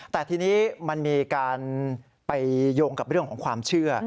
แต่ทีนี้มันมีการไปโยงกับเรื่องของความเชื่อ